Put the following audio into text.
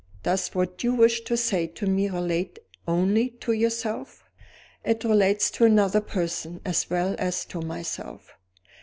Does what you wish to say to me relate only to yourself?" "It relates to another person, as well as to myself."